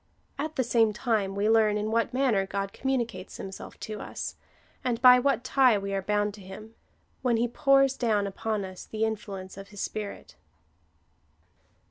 At the same time we learn, in what manner God com municates himself to us, and by what tie we are bound to him — when he pours down upon us the influence of his Spirit.